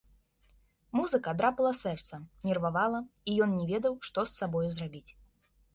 Музыка драпала сэрца, нервавала, і ён не ведаў, што з сабою зрабіць.